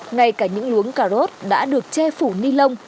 ngay cả những luống cà rốt đã được che phù nilon